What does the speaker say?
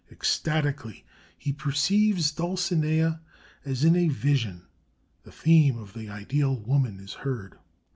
Ecstatically he perceives Dulcinea, as in a vision (the theme of the Ideal Woman is heard).